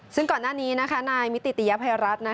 ซึ่งก่อนหน้านี้นายมิติติยภัยรัฐ